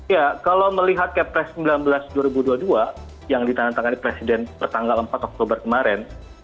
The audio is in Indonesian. ya kalau melihat kepres sembilan belas dua ribu dua puluh dua yang ditandatangani presiden pertanggal empat oktober kemarin